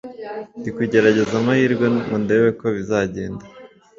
Ndikugerageza amahirwe ngo ndebe uko bizagenda